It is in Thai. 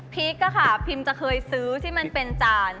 พริกอะค่ะพิมจะเคยซื้อที่มันเป็นจาน